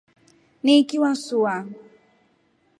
Nikili wasua.